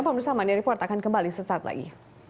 pemirsa mandi report akan kembali sesaat lagi